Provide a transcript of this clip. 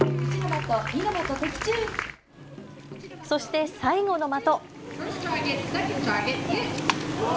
そして最後の的。